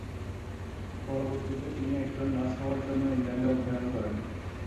পরবর্তীতে, তিনি একজন নার্স হওয়ার জন্য ইংল্যান্ডে অধ্যয়ন করেন।